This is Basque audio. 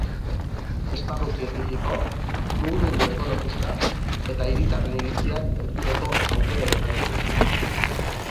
Esparru zientifiko, mugimendu ekologista eta hiritarren iritziak entzuteko aukera izango dugu.